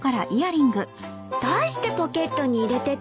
どうしてポケットに入れてたの？